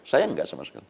saya enggak sama sekali